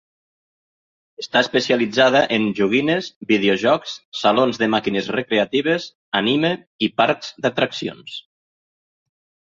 Està especialitzada en joguines, videojocs, salons de màquines recreatives, anime i parcs d'atraccions.